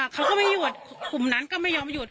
เขาก็ไม่หยุดกลุ่มนั้นก็ไม่ยอมหยุด